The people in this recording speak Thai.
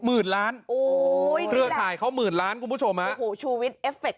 หมื่นล้านโอ้ยเดี๋ยวตายเขาหมื่นล้านคุณผู้ชมอ้าวโหชูวิชเอฟเฟค